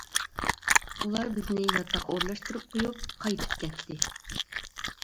ئۇلار بىزنى ياتاققا ئورۇنلاشتۇرۇپ قويۇپ قايتىپ كەتتى.